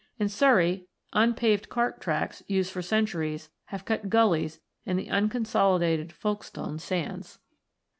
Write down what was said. In Surrey, unpaved cart tracks, used for centuries, have cut gullies in the unconsolidated Folkestone Sands.